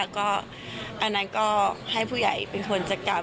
ก็อันนั้นก็ให้ผู้ใหญ่เป็นคนจัดการ